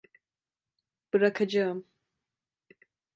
Bırakacağım.